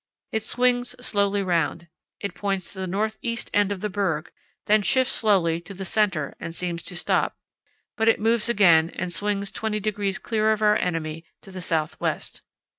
It swings slowly round. It points to the north east end of the berg, then shifts slowly to the centre and seems to stop; but it moves again and swings 20 degrees clear of our enemy to the south west....